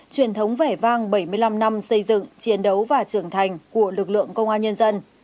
truyền thống vẻ vang bảy mươi năm năm xây dựng chiến đấu và trưởng thành của lực lượng công an nhân dân